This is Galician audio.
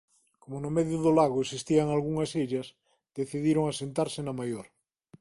Coma no medio do lago existían algunhas illas decidiron asentarse na maior.